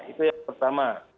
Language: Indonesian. itu yang pertama